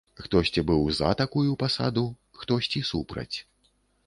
Хтосьці быў за такую пасаду, хтосьці супраць.